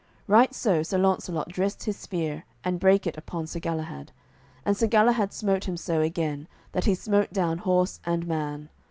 Right so, Sir Launcelot dressed his spear, and brake it upon Sir Galahad; and Sir Galahad smote him so again, that he smote down horse and man.